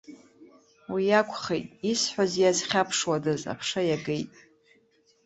Уиакәхеит, исҳәаз иазхьаԥшуадаз, аԥша иагеит.